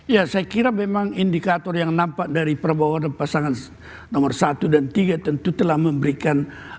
ya saya kira memang indikator yang nampak dari prabowo adalah pasangan nomor satu dan tiga tentu telah memberikan